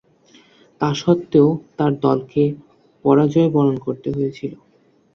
তাসত্ত্বেও, তার দলকে পরাজয়বরণ করতে হয়েছিল।